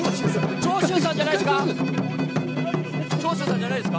長州さんじゃないですか？